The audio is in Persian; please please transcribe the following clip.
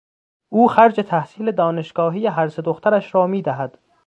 او خرج تحصیل دانشگاهی هر سه دخترش را میدهد.